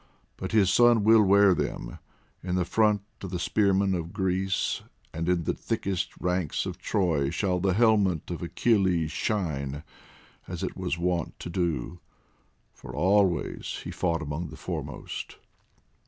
But his son will wear them, in the front of the spearmen of Greece and in the thickest ranks of Troy shall the helmet of Achilles shine, as it was wont to do, for always he fought among the foremost."